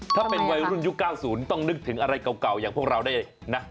ถ้าเป็นวัยรุ่นยุค๙๐ต้องนึกถึงอะไรเก่าอย่างพวกเราได้นะ